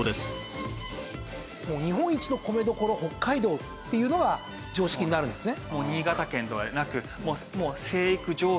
日本一の米どころは北海道っていうのが常識になるんですね。